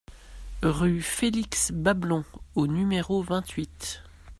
Rue Félix Bablon au numéro vingt-huit